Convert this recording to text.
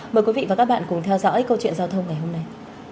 mời quý vị và các bạn cùng theo dõi câu chuyện giao thông ngày hôm nay